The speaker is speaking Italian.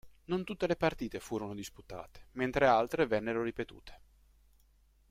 Non tutte le partite furono disputate, mentre altre vennero ripetute.